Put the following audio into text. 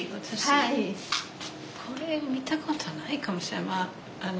私これ見たことないかもしれない。